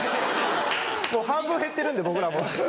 もう半分減ってるんで僕ら。